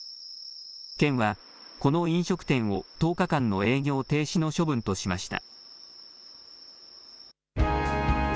県は、この飲食店を１０日間の営業停止の処分としました。